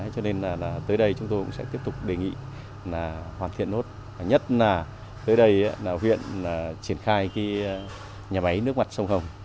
cho nên là tới đây chúng tôi cũng sẽ tiếp tục đề nghị hoàn thiện nốt và nhất là tới đây là huyện triển khai nhà máy nước mặt sông hồng